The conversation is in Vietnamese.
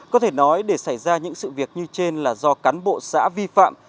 có thể nói để xảy ra những sự việc như trên là do cán bộ xã vi phạm